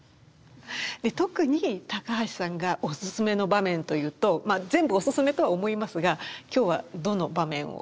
特に高橋さんがお薦めの場面というとまあ全部お薦めとは思いますが今日はどの場面を？